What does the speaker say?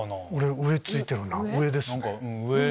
上ついてるな上ですね。